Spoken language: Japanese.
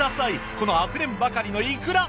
このあふれんばかりのいくら！